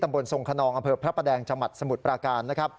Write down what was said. ตำบลทรงคณองอเภิบพระประแดงจมัติสมุทรปราการ